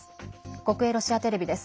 国営ロシアテレビです。